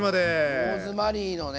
ローズマリーのね